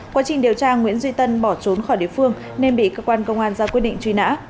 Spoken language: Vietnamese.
quá trình điều tra nguyễn duy tân bỏ trốn khỏi địa phương nên bị cơ quan công an ra quyết định truy nã